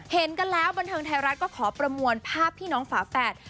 เห็นกันแล้วบันเทิงไทยรัฐก็ขอประมวลภาพพี่น้องฝาแฝด